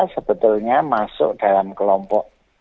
sebetulnya masuk dalam kelompok